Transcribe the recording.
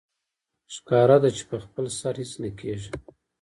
ښکاره ده چې په خپل سر هېڅ نه کېږي